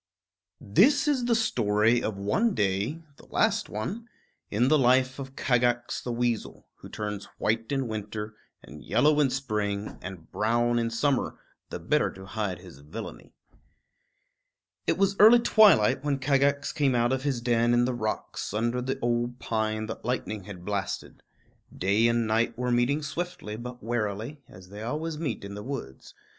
[Illustration: Kagax] This is the story of one day, the last one, in the life of Kagax the Weasel, who turns white in winter, and yellow in spring, and brown in summer, the better to hide his villainy. It was early twilight when Kagax came out of his den in the rocks, under the old pine that lightning had blasted. Day and night were meeting swiftly but warily, as they always meet in the woods.